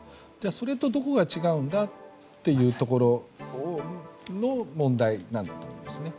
それとどこが違うんだというところの問題なんだと思います。